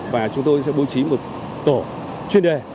và chúng tôi sẽ bố trí một tổ chuyên đề